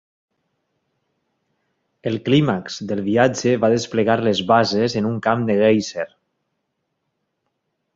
El clímax del viatge va desplegar les basses en un camp de guèiser.